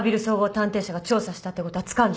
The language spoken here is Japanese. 探偵社が調査したってことはつかんで。